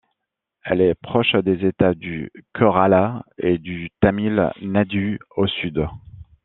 Elle est proche des états du Kerala et du Tamil Nadu au sud.